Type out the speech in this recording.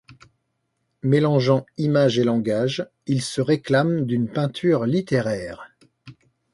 Mélangeant image et langage, il se réclame d’une peinture littéraire.